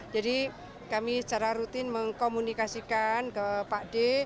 jadi kami secara rutin mengkomunikasikan ke pak d